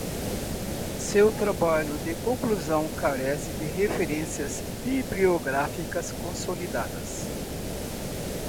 Seu trabalho de conclusão carece de referências bibliográficas consolidadas